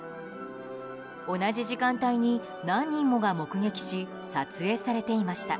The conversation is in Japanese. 同じ時間帯に何人もが目撃し撮影されていました。